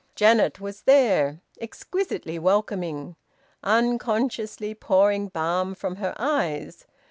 Janet was there, exquisitely welcoming, unconsciously pouring balm from her eyes.